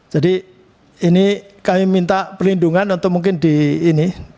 jadi ini kami minta perlindungan untuk mungkin di ini